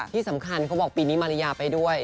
ที่สำคัญเขาบอกปีนี้มาริยาไปด้วย